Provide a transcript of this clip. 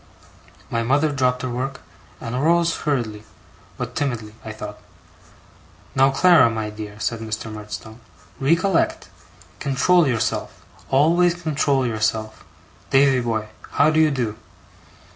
My mother dropped her work, and arose hurriedly, but timidly I thought. 'Now, Clara my dear,' said Mr. Murdstone. 'Recollect! control yourself, always control yourself! Davy boy, how do you do?